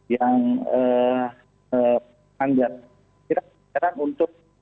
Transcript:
yang anggaran untuk